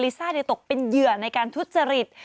ลิซ่าจะตกเป็นเหยื่อในการทุดโทษฎริต